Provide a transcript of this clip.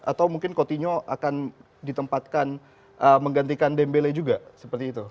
atau mungkin coutinho akan ditempatkan menggantikan dembele juga seperti itu